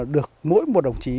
được mỗi một đồng chí